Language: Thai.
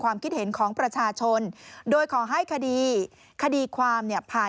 ครูจะโอเคไหม